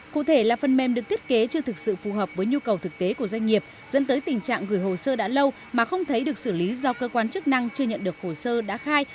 cụ thể là phần mềm được thiết kế chưa thực sự phù hợp với nhu cầu thực tế của doanh nghiệp dẫn tới tình trạng gửi hồ sơ đã lâu mà không thấy được xử lý do cơ quan chức năng chưa nhận được hồ sơ đã khai